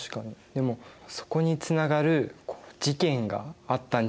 でもそこにつながる事件があったんじゃないかな？